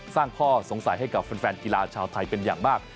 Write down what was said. ข้อสงสัยให้กับแฟนกีฬาชาวไทยเป็นอย่างมาก